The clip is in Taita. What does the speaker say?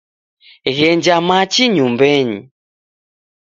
Ghenja machi nyumbenyi.